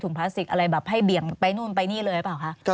พลาสติกอะไรแบบให้เบี่ยงไปนู่นไปนี่เลยหรือเปล่าคะ